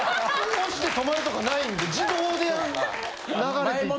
押して止まるとかないんで自動で流れていって。